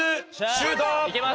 シュート！